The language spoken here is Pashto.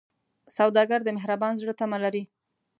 سوالګر د مهربان زړه تمه لري